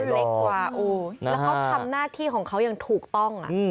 และทำหน้าที่ของเขายังถูกต้อง